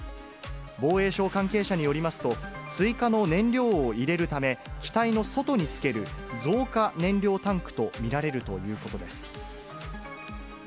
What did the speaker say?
防衛省関係者によりますと、追加の燃料を入れるため、機体の外につける増加燃料タンクと見られるということです。